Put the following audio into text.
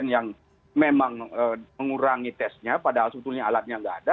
yang memang mengurangi tesnya padahal sebetulnya alatnya nggak ada